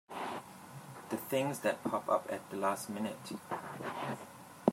The things that pop up at the last minute!